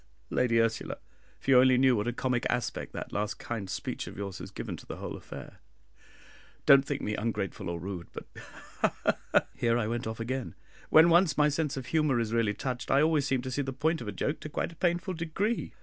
Lady Ursula, if you only knew what a comic aspect that last kind speech of yours has given to the whole affair. Don't think me ungrateful or rude, but ha! ha! ha!" Here I went off again. "When once my sense of humour is really touched, I always seem to see the point of a joke to quite a painful degree.